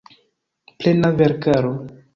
Plena verkaro.